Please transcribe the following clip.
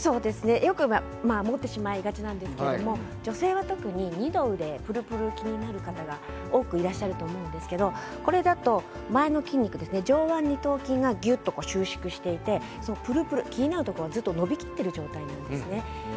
よく持ってしまいがちなんですけれども女性は特に二の腕ぷるぷるが気になる方多くいらっしゃると思うんですけれどもこれだと前の筋肉、上腕二頭筋が収縮していてぷるぷるの気になるところが伸びきっている状態なんですね。